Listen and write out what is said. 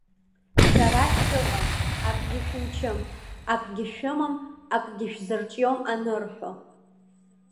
Шәара шәыҟам, акгьы шәымчым, акгьы шәымам, акгьы шәзырҿиом анырҳәо.